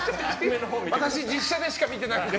私実写でしか見たことなくて。